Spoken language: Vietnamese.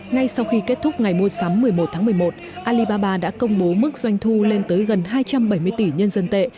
ngay sau khi kết thúc ngày mua sắm một mươi một tháng một mươi một alibaba đã công bố mức doanh thu lên tới gần hai trăm bảy mươi tỷ nhân dân tệ